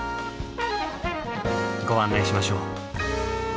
ご案内しましょう。